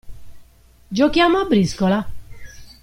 Giochiamo a briscola?